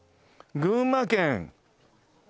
「群馬県」